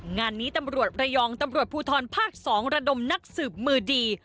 งานนี้ตำรวจระยองตำรวจภูทรภาค๒ระดมนักสืบมือดี